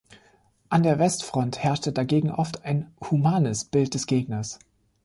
An der Westfront herrschte dagegen oft ein „humanes“ Bild des Gegners.